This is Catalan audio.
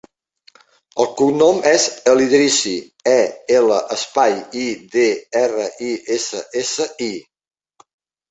El cognom és El Idrissi: e, ela, espai, i, de, erra, i, essa, essa, i.